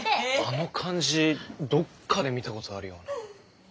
あの感じどっかで見たことあるような。